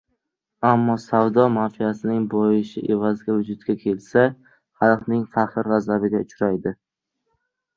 Ammo savdo mafiyasining boyishi evaziga vujudga kelsa, xalqning qahr-g‘azabiga uchraydi.